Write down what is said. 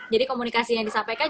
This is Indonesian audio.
jadi komunikasi yang disampaikan